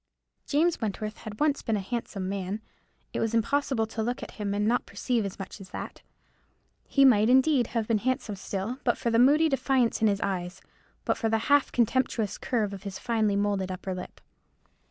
James Wentworth had once been a handsome man. It was impossible to look at him and not perceive as much as that. He might, indeed, have been handsome still, but for the moody defiance in his eyes, but for the half contemptuous curve of his finely moulded upper lip.